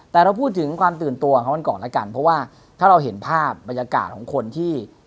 แต่เราพูดถึงตื่นตัวความเป็นกรอบเพราะเราเห็นภาพบรรยากาศของคนที่